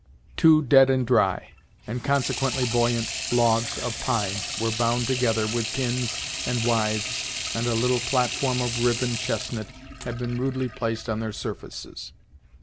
Two dead and dry, and consequently buoyant, logs of pine were bound together with pins and withes and a little platform of riven chestnut had been rudely placed on their surfaces.